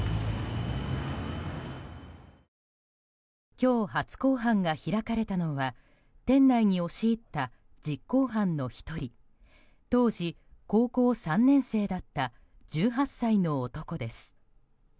今日、初公判が開かれたのは店内に押し入った実行犯の１人当時、高校３年生だった１８歳の男です。